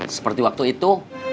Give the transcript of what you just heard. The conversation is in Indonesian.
seperti waktu itu